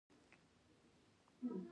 آیا د غالیو صادرات ډیر عاید نلري؟